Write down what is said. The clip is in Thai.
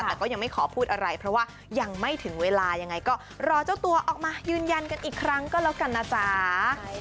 แต่ก็ยังไม่ขอพูดอะไรเพราะว่ายังไม่ถึงเวลายังไงก็รอเจ้าตัวออกมายืนยันกันอีกครั้งก็แล้วกันนะจ๊ะ